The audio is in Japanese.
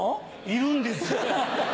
いるんですよ。